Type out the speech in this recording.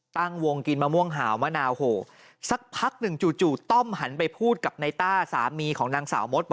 ตั้งวงกินมะม่วงหาวมะนาวโหสักพักหนึ่งจู่ต้อมหันไปพูดกับนายต้าสามีของนางสาวมด